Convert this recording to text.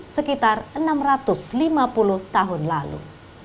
sekitar enam ratus lima puluh tahun lalu